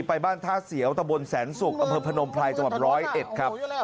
ไปบ้านท่าเสียวตะบลแสนสุกอเผิดพนมพลายจังหวัด๑๐๑ครับ